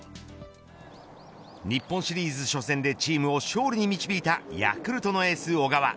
日本シリーズ初戦でチームを勝利に導いたヤクルトのエース小川。